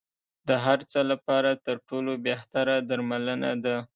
د هر څه لپاره تر ټولو بهتره درملنه ده.